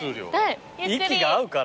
息が合うかな？